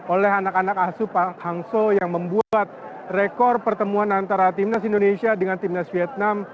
oleh anak anak asu pak hangso yang membuat rekor pertemuan antara timnas indonesia dengan timnas vietnam